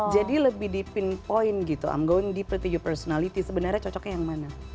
jadi lebih di pinpoint gitu i'm going deeper to your personality sebenarnya cocoknya yang mana